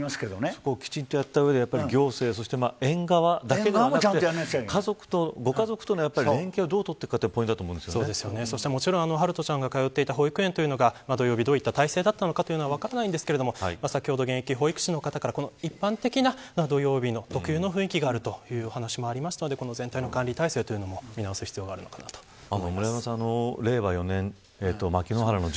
そこをきちんとやった上で行政、そして園側だけじゃなくてご家族との連絡、連携をどう取っていくのかがもちろん陽翔ちゃんが通っていた保育園が土曜日にどういった態勢だったか分からないんですが先ほど現役保育士の方から一般的な土曜日特有の雰囲気もあるという話もあったので全体の管理体制を見直す必要があるのかと思います。